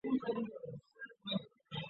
弘治十三年卒于任。